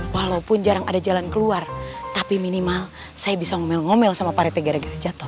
walaupun jarang ada jalan keluar tapi minimal saya bisa ngomel ngomel sama pariti gara gara jatuh